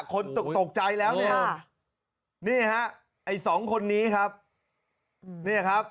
คนตกตกใจแล้วเนี่ยนี่ฮะไอ้สองคนนี้ครับเนี่ยครับ